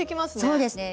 そうですね。